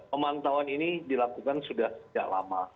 pemantauan ini dilakukan sudah sejak lama